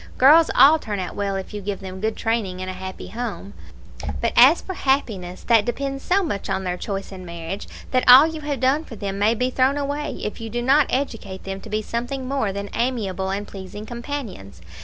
Girls all turn out well if you give them good training in a happy home; but as for happiness, that depends so much on their choice in marriage, that all you have done for them may be thrown away, if you do not educate them to be something more than amiable and pleasing companions.